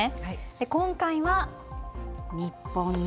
今回は日本の。